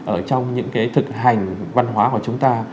ở trong những cái thực hành văn hóa của chúng ta